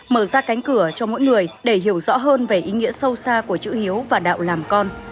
mở ra cánh cửa cho mỗi người để hiểu rõ hơn về ý nghĩa sâu xa của chữ hiếu và đạo làm con